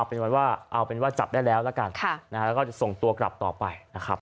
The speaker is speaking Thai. เอาเป็นว่าจับได้แล้วแล้วก็ส่งตัวกลับต่อไปนะครับ